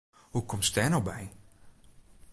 Hoe komst dêr no by?